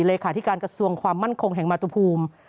เลขาธิการกระทรวงความมั่นคงแห่งมาตุภูมิ